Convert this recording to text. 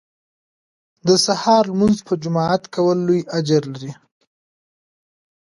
د سهار لمونځ په جماعت کول لوی اجر لري